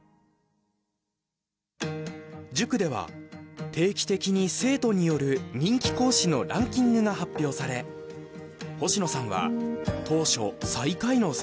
塾では定期的に生徒による人気講師のランキングが発表され星野さんは当初最下位の成績でした。